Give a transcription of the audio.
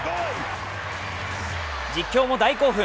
実況も大興奮。